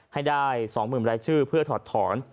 ให้ได้๒๐๐๐รายชื่อเพื่อถอดถอน